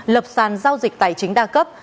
lập sàn giao dịch tài chính đa cấp